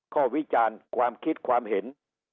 ก็วิจารณ์ความคิดความเห็น